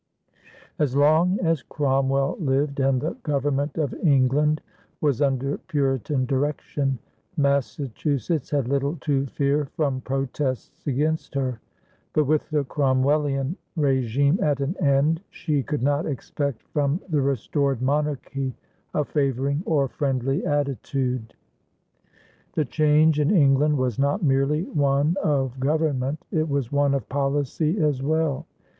As long as Cromwell lived and the Government of England was under Puritan direction, Massachusetts had little to fear from protests against her; but, with the Cromwellian régime at an end, she could not expect from the restored monarchy a favoring or friendly attitude. The change in England was not merely one of government; it was one of policy as well.